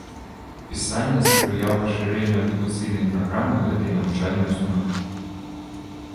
Пісання спрыяў пашырэнню адукацыйнай праграмы гэтай навучальнай установы.